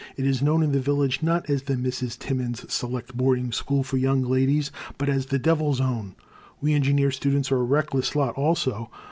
It is known in the village, not as the ' Misses Timmins*s Select Boarding School for Young Ladies,' but as 'The Devir s Own. ' We engineer students are a reckless lot, also.